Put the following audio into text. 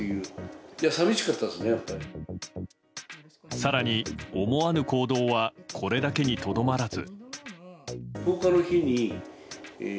更に、思わぬ行動はこれだけにとどまらず。